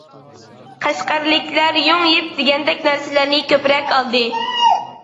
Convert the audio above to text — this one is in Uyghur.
قەشقەرلىكلەر يۇڭ يىپ دېگەندەك نەرسىلەرنى كۆپرەك ئالدى.